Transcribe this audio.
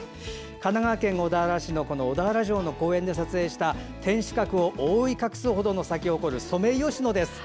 神奈川県小田原市の小田原の公園で撮影した天守閣を覆い隠すほどに咲き誇るソメイヨシノです。